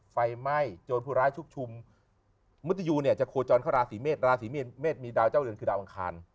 ไฟไหม้โจรพูดร้ายชุกชุมมุทิยูเนี่ยจะกจ่อนะแม่ดาวอันคาล